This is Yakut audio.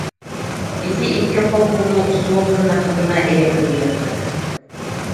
Ити икки хоһууну суох гыннаххытына эрэ кыайыаххыт